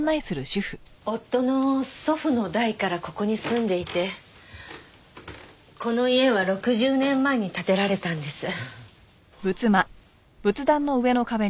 夫の祖父の代からここに住んでいてこの家は６０年前に建てられたんです。